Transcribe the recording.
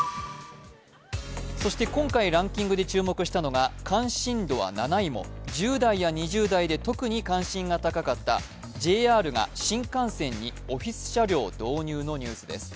今回ランキングで注目したのは、関心度は７位も１０代や２０代で特に関心の高かったＪＲが新幹線にオフィス車両導入のニュースです。